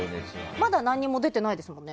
まだ、何も出てないですね。